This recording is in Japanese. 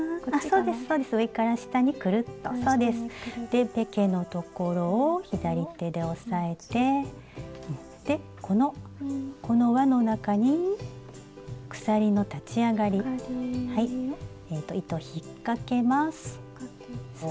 でペケのところを左手で押さえてでこのこのわの中に鎖の立ち上がり糸引っ掛けます。